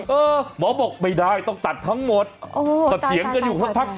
หมอบอกไม่ได้ต้องตัดทั้งหมดก็เถียงกันอยู่สักพัก